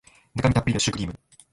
中身たっぷりのシュークリーム